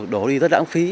đổ đi rất đáng phí